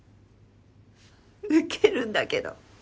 ウケるんだけど。